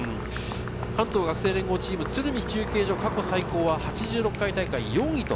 関東学生連合チーム、鶴見中継所、過去最高は８６回大会４位。